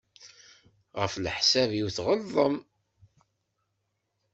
Ɣef leḥsab-iw tɣelṭem.